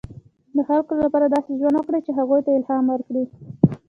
• د خلکو لپاره داسې ژوند وکړه، چې هغوی ته الهام ورکړې.